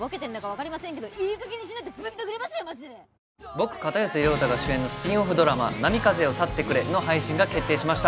僕片寄涼太が主演のスピンオフドラマ『波風よ立ってくれ』の配信が決定しました。